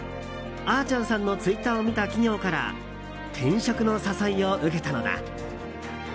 あーちゃんさんのツイッターを見た企業から転職の誘いを受けたのだ。